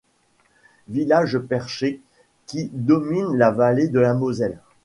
Village perché qui domine la vallée de la Moselle.